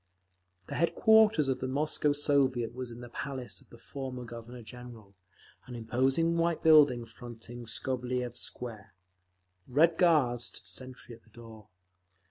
The headquarters of the Moscow Soviet was in the palace of the former Governor General, an imposing white building fronting Skobeliev Square. Red Guards stood sentry at the door.